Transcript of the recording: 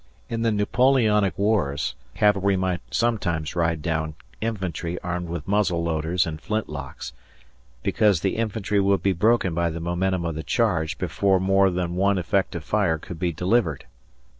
In the Napoleonic wars cavalry might sometimes ride down infantry armed with muzzle loaders and flintlocks, because the infantry would be broken by the momentum of the charge before more than one effective fire could be delivered.